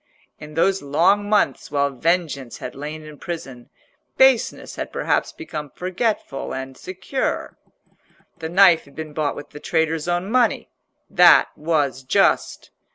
In those long months while vengeance had lain in prison, baseness had perhaps become forgetful and secure. The knife had been bought with the traitor's own money. That was just.